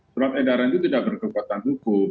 surat edaran itu tidak berkekuatan hukum